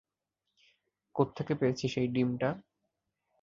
কোত্থেকে পেয়েছিস এই ডিমটা?